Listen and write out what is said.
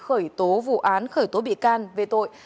khởi tố vụ án khởi tố bị can về tội